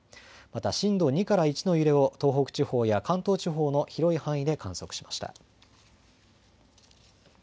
また震度２から１の揺れを東北地方や関東地方の広い範囲で観測しました。